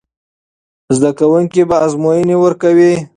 زده کوونکي به ازموینه ورکوي.